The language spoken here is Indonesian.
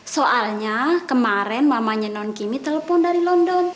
soalnya kemarin mamanya non kimmy telepon dari london